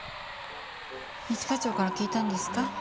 一課長から聞いたんですか？